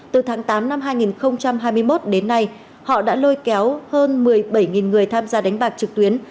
từ tháng tám năm hai nghìn hai mươi một đến nay họ đã lôi kéo hơn một mươi bảy người tham gia đánh bạc trực tuyến